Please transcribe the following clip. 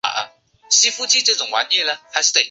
危地马拉内战正式拉开序幕。